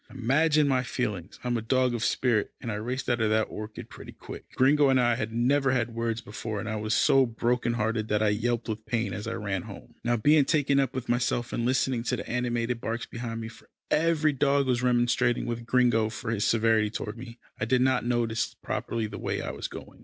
Imagine my feelings I am a dog of spirit, and I raced out of that orchard pretty quick. Gringo and I had never had words before, and I was so broken hearted that I yelped with pain as I ran home. Now, being so taken up with myself, and listening to the animated barks behind me, for every dog was remonstrating with Gringo for his severity toward me, I did not notice properly the way I was going.